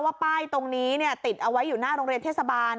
ป้ายตรงนี้ติดเอาไว้อยู่หน้าโรงเรียนเทศบาล